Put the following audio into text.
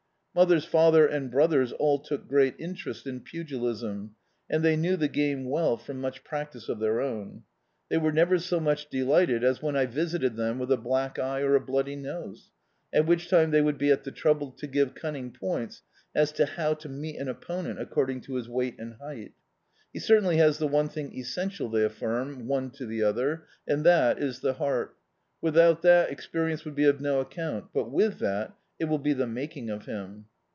Mother's father and brothers all took great interest in pugilism, and they knew the game well from much practice of their own. They were never so much delisted tj] D,i.,.db, Google The Autobiography of a Super Tramp as when I visited them with a black eye or a bloody nose, at which time they would be at the trouble to give omning pcunts as to how to meet an opponent according to his weight and height. "He certainly has the one thing essential," they afiinn, one to the other, " and that is the heart. Without that experi ence would be of no account, but with that it will be the maldng of him."